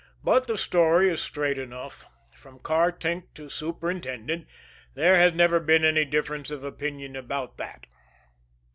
But the story is straight enough from car tink to superintendent, there has never been any difference of opinion about that.